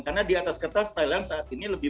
karena di atas kertas thailand saat ini lebih